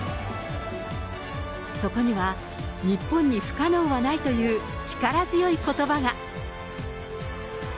そこには、日本に不可能はないという力強いことばが。